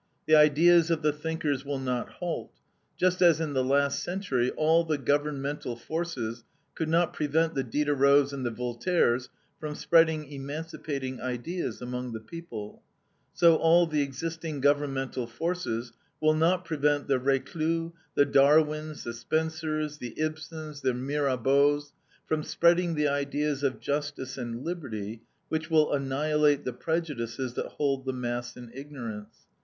The ideas of the thinkers will not halt; just as, in the last century, all the governmental forces could not prevent the Diderots and the Voltaires from spreading emancipating ideas among the people, so all the existing governmental forces will not prevent the Reclus, the Darwins, the Spencers, the Ibsens, the Mirbeaus, from spreading the ideas of justice and liberty which will annihilate the prejudices that hold the mass in ignorance.